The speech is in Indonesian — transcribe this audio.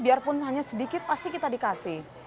biarpun hanya sedikit pasti kita dikasih